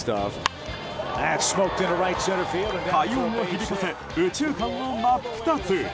快音を響かせ右中間を真っ二つ。